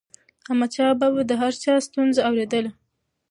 احمدشاه بابا به د هر چا ستونزه اوريدله.